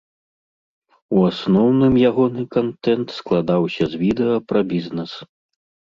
У асноўным ягоны кантэнт складаўся з відэа пра бізнэс.